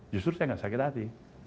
justru saya nggak sakit hati